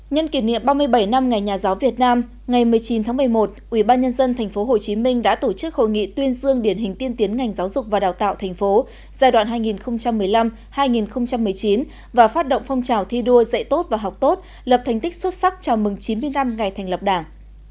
nhân kỷ niệm ba mươi bảy năm ngày nhà giáo việt nam ngày một mươi chín tháng một mươi một ubnd tp hcm đã tổ chức hội nghị tuyên dương điển hình tiên tiến ngành giáo dục và đào tạo tp giai đoạn hai nghìn một mươi năm hai nghìn một mươi chín và phát động phong trào thi đua dạy tốt và học tốt lập thành tích xuất sắc chào mừng chín mươi năm ngày thành lập đảng